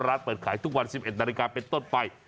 ร้านเปิดขายทุกวัน๑๑นาฬิกาเป็นต้นไป